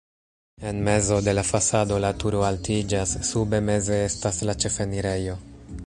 En mezo de la fasado la turo altiĝas, sube meze estas la ĉefenirejo.